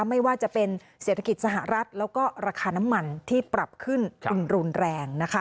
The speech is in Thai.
ไม่ว่าจะเป็นเศรษฐกิจสหรัฐแล้วก็ราคาน้ำมันที่ปรับขึ้นทุนรุนแรงนะคะ